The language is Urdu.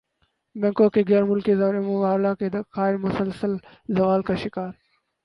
بینکوں کے غیرملکی زرمبادلہ کے ذخائر مسلسل زوال کا شکار